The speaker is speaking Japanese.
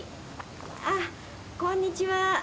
あっこんにちは。